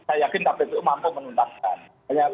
saya yakin kpu mampu menuntaskan